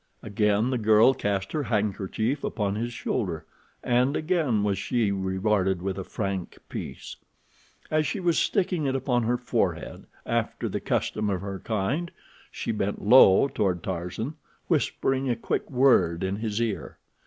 Again the girl cast her handkerchief upon his shoulder, and again was she rewarded with a franc piece. As she was sticking it upon her forehead, after the custom of her kind, she bent low toward Tarzan, whispering a quick word in his ear.